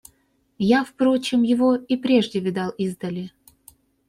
Я, впрочем, его и прежде видал издали.